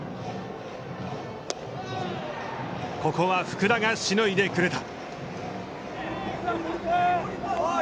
ここは福田がしのいでくれた。